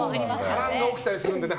波乱が起きたりするのでね